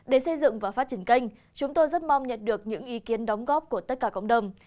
để xây dựng và phát triển kênh chúng tôi rất mong nhận được những ý kiến đóng góp của tất cả cộng đồng